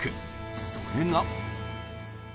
それが。